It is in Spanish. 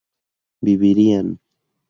vivirían